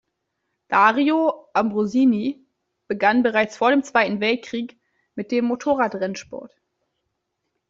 Dario Ambrosini begann bereits vor dem Zweiten Weltkrieg mit dem Motorradrennsport.